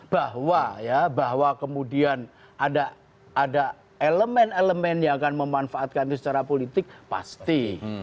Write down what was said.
bahwa ya bahwa kemudian ada elemen elemen yang akan memanfaatkan itu secara politik pasti